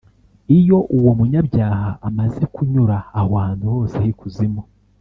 iyo uwo munyabyaha amaze kunyura aho hantu hose h’ikuzimu